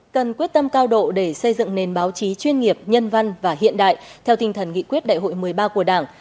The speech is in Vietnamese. cần quyết tâm cao độ để xây dựng nền báo chí chuyên nghiệp nhân văn và hiện đại theo tinh thần nghị quyết đại hội một mươi ba của đảng